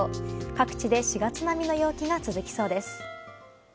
各地で４月並みの陽気が続きそうです。